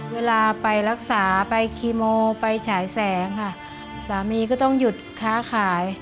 เวลาไปรักษาไปคีโมไปฉายแสงค่ะสามีก็ต้องหยุดค้าขาย